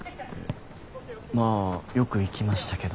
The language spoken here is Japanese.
まあよく行きましたけど。